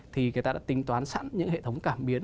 thì người ta đã tính toán sẵn những hệ thống cảm biến